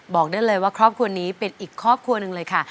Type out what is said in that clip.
บอกได้เลยว่าครอบครัวนี้เป็นอีกครอบครัวหนึ่งเลยค่ะ